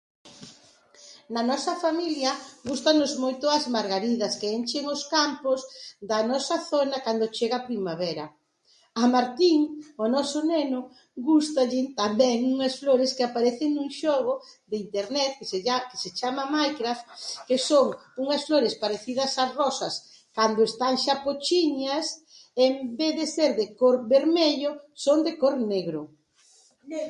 Na nosa familia gústannos moito as margaridas que enchen os campos da nosa zona cando chega a primavera. A Martín, o noso neno, gústalle tamén unhas flores que aparecen nun xogo de internet se lla-, que se chama Minecraft, que son unhas flores parecidas as rosas, cando están xa pochiñas, en vez de ser de cor vermello son de cor negro.